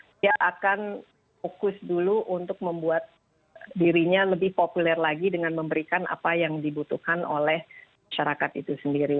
dia akan fokus dulu untuk membuat dirinya lebih populer lagi dengan memberikan apa yang dibutuhkan oleh masyarakat itu sendiri